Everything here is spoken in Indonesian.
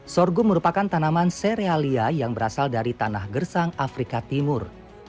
sorghum merupakan tanaman serealia yang berasal dari tanah gersang afrika timur